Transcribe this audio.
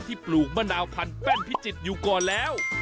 ที่ปลูกมานาวพันธุ์แป้นพิจิตย์อยู่ก่อนแล้ว